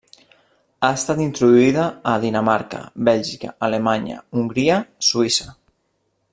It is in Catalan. Ha estat introduïda a Dinamarca, Bèlgica, Alemanya, Hongria, Suïssa.